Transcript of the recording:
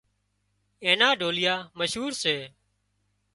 اين ڍوليئا مشهور سي